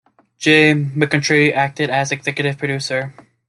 Jim McIntyre acted as executive producer.